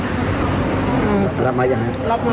ไปฟังเสียงผู้เสียหายแล้วก็ผู้จัดงานกันสักนิดหนึ่งนะครับ